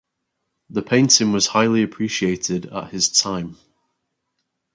The painting was highly appreciated at his time.